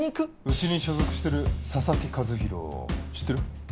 うちに所属してる佐々木主浩知ってる？